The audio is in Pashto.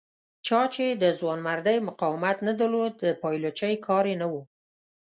چا چې د ځوانمردۍ مقاومت نه درلود د پایلوچۍ کار یې نه و.